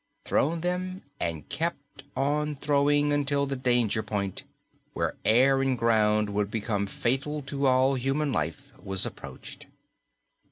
Thrown them and kept on throwing until the danger point, where air and ground would become fatal to all human life, was approached.